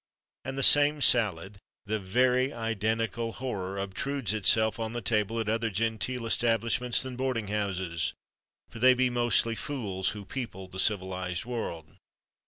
And the same salad, the very identical horror, obtrudes itself on the table at other genteel establishments than boarding houses. For they be "mostly fools" who people the civilised world.